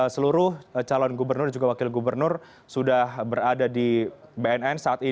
seluruh calon gubernur dan juga wakil gubernur sudah berada di bnn saat ini